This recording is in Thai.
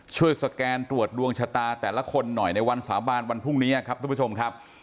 สแกนตรวจดวงชะตาแต่ละคนหน่อยในวันสาบานวันพรุ่งนี้ครับทุกผู้ชมครับ